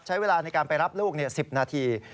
ใช้เวลาในการไปรับลูก๑๐นาที